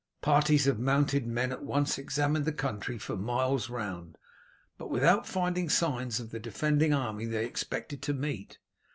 Parties of mounted men at once examined the country for miles round, but without finding signs of the defending army they expected to meet.